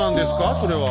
それは。